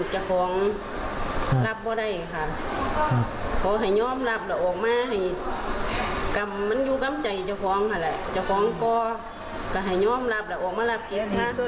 ใช่เห็นตะยางส่วนแบบนี้